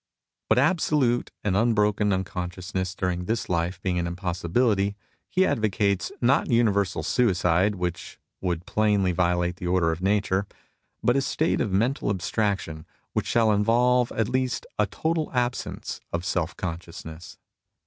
But absolute and unbroken uncon sciousness during this life being an impossibility, he advocates, not universal suicide, which would plainly violate the order of nature, but a state of mental abstraction which shall involve at least a total absence of self consciousness.